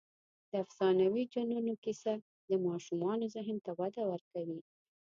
د افسانوي جنونو کیسه د ماشومانو ذهن ته وده ورکوي.